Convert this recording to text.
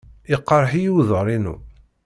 Yeqreḥ-iyi uḍar-inu.